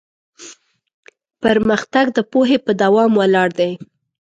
پرمختګ د پوهې په دوام ولاړ دی.